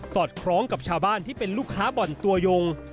อดคล้องกับชาวบ้านที่เป็นลูกค้าบ่อนตัวยง